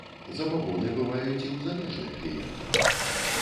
Забабоны бываюць і ў замежных кліентаў.